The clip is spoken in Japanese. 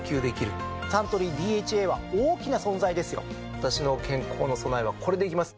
わたしの健康の備えはこれでいきます